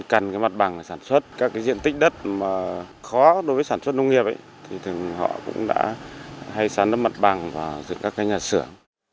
cần cái mặt bằng để sản xuất các cái diện tích đất mà khó đối với sản xuất nông nghiệp ấy thì thường họ cũng đã hay sản đất mặt bằng và dựng các cái nhà sửa